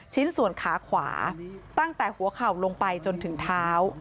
ชิ้นส่วนขาขวาตั้งแต่หัวเข่าลงไปจนถึงเท้า